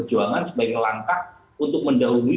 sebagai langkah untuk mendahui